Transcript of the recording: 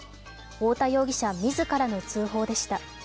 太田容疑者、自らの通報でした。